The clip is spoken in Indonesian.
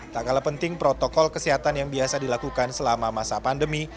tak kalah penting protokol kesehatan yang biasa dilakukan selama masa pandemi